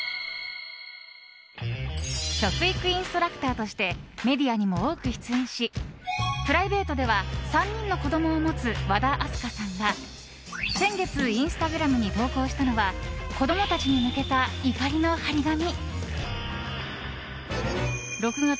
食育インストラクターとしてメディアにも多く出演しプライベートでは３人の子供を持つ和田明日香さんが先月インスタグラムに投稿したのは子供たちに向けた怒りの張り紙。